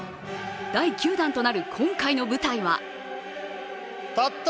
第９弾となる今回の舞台はたった